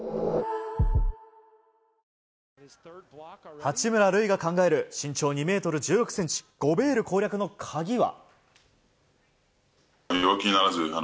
八村塁が考える身長２ｍ１６ｃｍゴベール攻略の鍵は。